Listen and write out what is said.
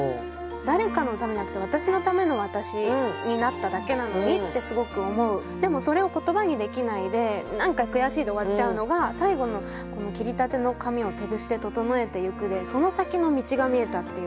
誰かのためじゃなくて私のための私になっただけなのにってすごく思うでもそれを言葉にできないで「何か悔しい」で終わっちゃうのが最後の「切り立ての髪を手櫛で整えてゆく」でその先の道が見えたっていうか。